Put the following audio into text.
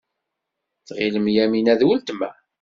Tɣilem Yamina d weltma.